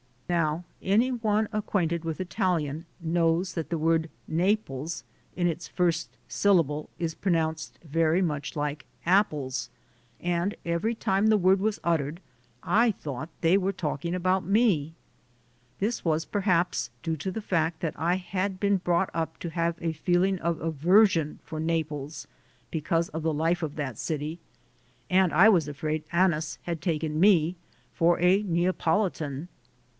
Now any one acquainted with 110 THE SOUL OF AN IMMIGRANT Italian knows that the word Naples in its first syl lable is pronounced very much like "apples" ; and every time the word was uttered I thought they were talking about me. This was perhaps due to the fact that I had been brought up to have a feeling of aver sion for Naples because of the life of that city, and I was afraid Annis had taken me for a Neopolitan.